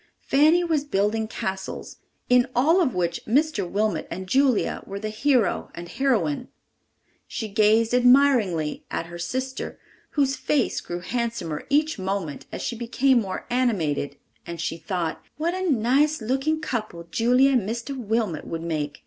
Fanny was building castles—in all of which Mr. Wilmot and Julia were the hero and heroine. She gazed admiringly at her sister, whose face grew handsomer each moment as she became more animated, and she thought, "What a nice looking couple Julia and Mr. Wilmot would make!